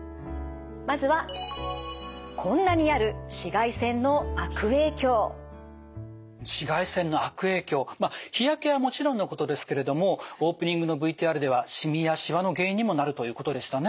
まずは紫外線の悪影響まあ日焼けはもちろんのことですけれどもオープニングのＶＴＲではしみやしわの原因にもなるということでしたね。